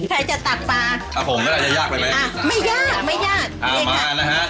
ใครจะตักปลาไม่ยากไม่ยากนี่ค่ะอ่ามากันละฮะ